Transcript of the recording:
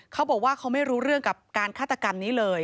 เขาบอกว่าเขาไม่รู้เรื่องกับการฆาตกรรมนี้เลย